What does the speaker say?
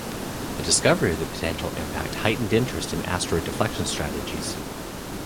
The discovery of the potential impact heightened interest in asteroid deflection strategies.